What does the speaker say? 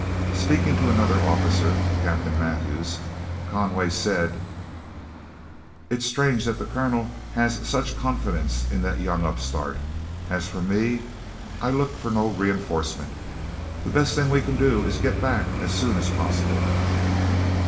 Speaking to another officer, a Captain Mathews, Conway said: "It's strange that the Colonel has such confidence in that young upstart. As for me, I look for no reinforcements. The best thing we can do is to get back as soon as possible."